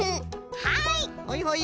はい！